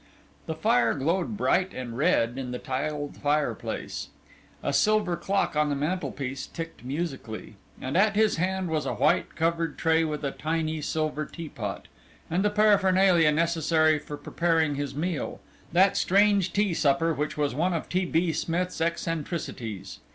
The fire glowed bright and red in the tiled fireplace, a silver clock on the mantelpiece ticked musically, and at his hand was a white covered tray with a tiny silver teapot, and the paraphernalia necessary for preparing his meal that strange tea supper which was one of T. B. Smith's eccentricities.